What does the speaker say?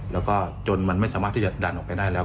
แล้วก็จนมันไม่สามารถที่จะดันออกไปได้แล้ว